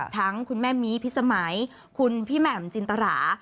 คุณแม่มีพิษสมัยคุณพี่แหม่มจินตรา